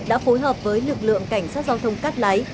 đã phối hợp với lực lượng cảnh sát giao thông cát lái